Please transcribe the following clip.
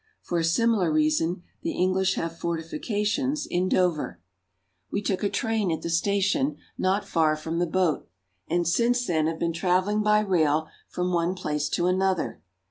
For a similar reason the English have fortifications at Dover. CARP. EUROPE — 6 86 FRANCE. We took a train at the station, not far from the boat, and since then have been traveling by rail from one place to another.